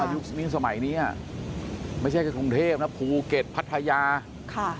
ยุคนี้สมัยนี้อ่ะไม่ใช่แค่กรุงเทพนะภูเก็ตพัทยาค่ะ